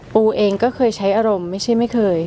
ปูเองก็เคยใช้อารมณ์ไม่ใช่ไม่เคย